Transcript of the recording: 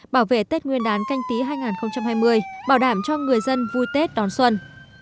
bảo vệ tết nguyên đán canh tí hai nghìn hai mươi bảo đảm cho người dân vui tết đón xuân